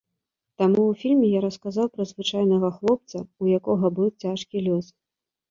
Таму ў фільме я расказаў пра звычайнага хлопца, у якога быў цяжкі лёс.